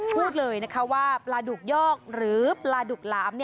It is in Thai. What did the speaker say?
พูดเลยนะคะว่าปลาดุกยอกหรือปลาดุกหลาม